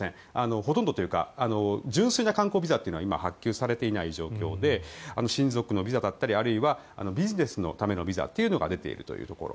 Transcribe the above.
ほとんどというか純粋な観光ビザというのは今、発給されていない状況で親族のビザだったりあるいはビジネスのためのビザというのが出ているというところ。